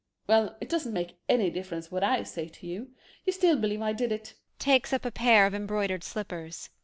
Well, it doesn't make any difference what I say to you. You still believe I did it. [Takes up a pair of embroidered slippers.